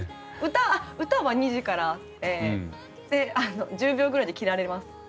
歌は２次からあって１０秒ぐらいで切られます。